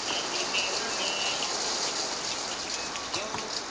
En la parte superior de la aeronave se encuentra un gran contenedor de carga.